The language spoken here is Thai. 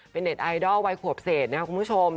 เป็นเน็ตไอดอลวัยขวบเศษนะครับคุณผู้ชม